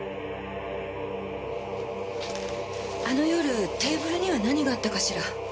あの夜テーブルには何があったかしら？